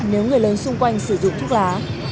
nếu người lớn xung quanh sử dụng thuốc lá